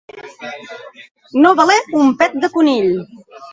No valer un pet de conill.